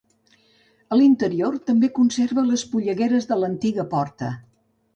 A l'interior també conserva les pollegueres de l'antiga porta.